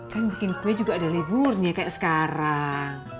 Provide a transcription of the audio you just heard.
kan bikin kue juga ada liburnya kayak sekarang